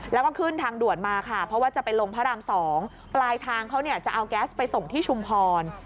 แล้วก็ขึ้นทางด่วนมาค่ะเพราะว่าจะไปลงพระราม๒ปลายทางเขาเนี่ยจะเอาแก๊สไปส่งที่ชุมพร